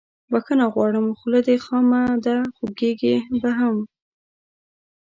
بخښنه غواړم خوله دې خامه ده خوږیږي به هم